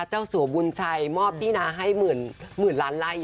สัวบุญชัยมอบที่นาให้หมื่นล้านไล่